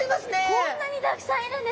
こんなにたくさんいるんですか？